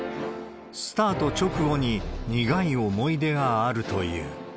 スタート直後に苦い思い出があるという。